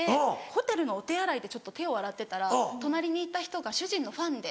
ホテルのお手洗いでちょっと手を洗ってたら隣にいた人が主人のファンで。